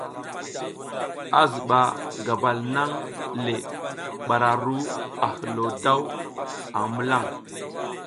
A ziba gabal nang le bara a ru a hilo daw a milan.